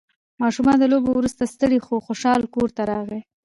ماشوم له لوبو وروسته ستړی خو خوشحال کور ته راغی